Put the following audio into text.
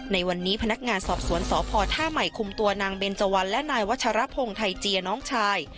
ในวันนี้พนักงานสอบสวนสพท่าใหม่คุมตัวนางเบนเจวันและนายวัชรพงศ์ไทยเจียน้องชาย